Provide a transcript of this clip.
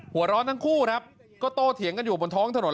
หัวร้อนทั้งคู่ครับก็โตเถียงกันอยู่บนท้องถนน